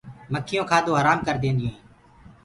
مکيونٚ ڪآدو هرآم ڪر دينديونٚ هينٚ۔